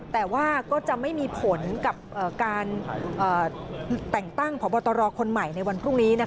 แต่ว่าก็จะไม่มีผลกับการแต่งตั้งพบตรคนใหม่ในวันพรุ่งนี้